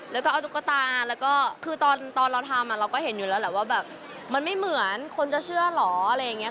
แล้วก็เอาตุ๊กตาแล้วก็คือตอนเราทำเราก็เห็นอยู่แล้วแหละว่าแบบมันไม่เหมือนคนจะเชื่อเหรออะไรอย่างนี้